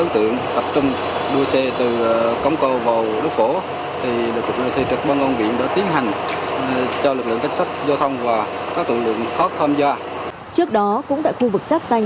trước đó cũng tại khu vực sắp xanh